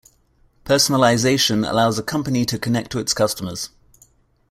Personalization allows a company to connect to its customers.